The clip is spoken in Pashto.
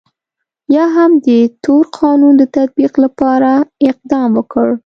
یا هم د تور قانون د تطبیق لپاره اقدام وکړ.